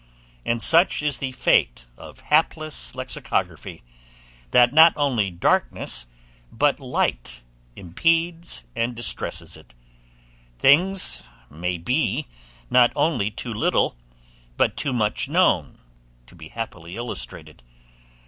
And such is the fate of hapless lexicography, that not only darkness, but light, impedes and distresses it; things may be not only too little, but too much known, to be happily illustrated.